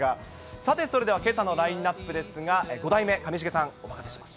さてそれではけさのラインナップですが、５代目、上重さん、お任せします。